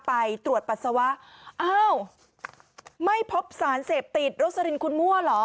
ไปตรวจปัสสาวะอ้าวไม่พบสารเสพติดโรสลินคุณมั่วเหรอ